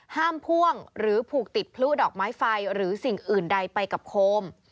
พ่วงหรือผูกติดพลุดอกไม้ไฟหรือสิ่งอื่นใดไปกับโคม